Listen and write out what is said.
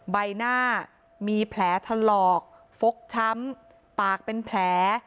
ใบหน้ามีแผลถลอกฟกช้ำปากเป็นแผล